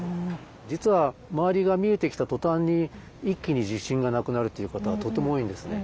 実は周りが見えてきた途端に一気に自信がなくなるっていう方はとても多いんですね。